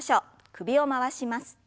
首を回します。